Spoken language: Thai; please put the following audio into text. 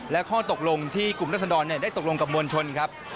และข้อตกลงที่กลุ่มรัศดรได้ตกลงกับมวลชนครับ